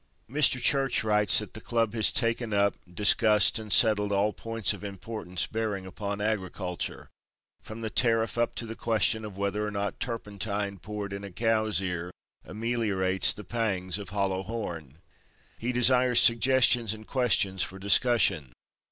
Mr. Church writes that the club has taken up, discussed and settled all points of importance bearing upon Agriculture, from the tariff up to the question of whether or not turpentine poured in a cow's ear ameliorates the pangs of hollow horn. He desires suggestions and questions for discussion.